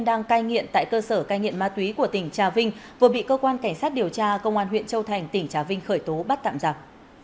đang cai nghiện tại cơ sở cai nghiện ma túy của tỉnh trà vinh vừa bị cơ quan cảnh sát điều tra công an huyện châu thành tỉnh trà vinh khởi tố bắt tạm giặc